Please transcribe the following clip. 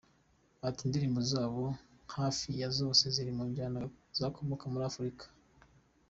Ati “Indirimbo zabo hafi ya zose ziri mu njyana zikomoka muri Afurika.